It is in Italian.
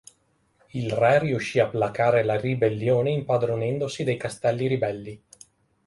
Il re riuscì a placare la ribellione impadronendosi dei castelli ribelli.